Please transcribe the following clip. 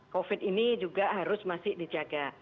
covid ini juga harus masih dijaga